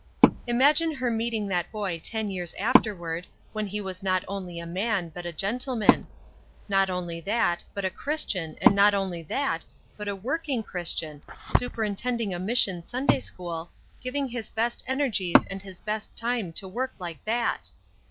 Imagine her meeting that boy ten years afterward, when he was not only a man, but a gentleman; not only that, but a Christian and not only that, but a working Christian, superintending a mission Sunday school, giving his best energies and his best time to work like that!